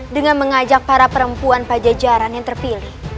dengan mengajak para perempuan pajajaran yang terpilih